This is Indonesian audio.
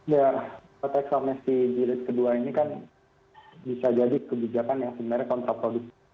ya tax amnesty gilid ke dua ini kan bisa jadi kebijakan yang sebenarnya kontraproduksi